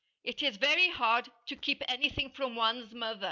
It is very hard to keep anything from one's mother.